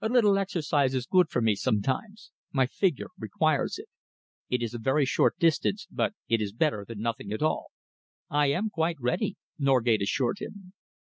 A little exercise is good for me sometimes. My figure requires it. It is a very short distance, but it is better than nothing at all." "I am quite ready," Norgate assured him.